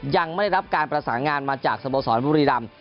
ยังไม่ได้รับการประสานงานมาจากสโมสรบุรีรำ